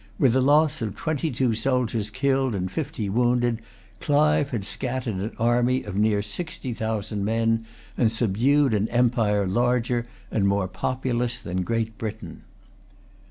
With the loss of twenty two soldiers killed and fifty wounded, Clive had scattered an army of near sixty thousand men, and subdued an empire larger and more populous than Great Britain.